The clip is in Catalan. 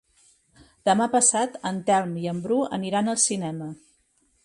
Demà passat en Telm i en Bru aniran al cinema.